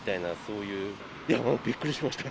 いや、もうびっくりしました。